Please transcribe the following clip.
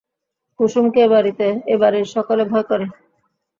কুসুমকে এ বাড়ির সকলে ভয় করে।